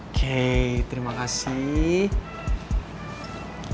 oke terima kasih